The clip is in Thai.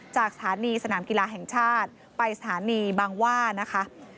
จากสถานีสนามกีฬาแห่งชาติไปสถานีบางว่านะคะ